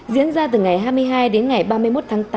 diễn ra từ ngày hai mươi hai đến ngày ba mươi một tháng tám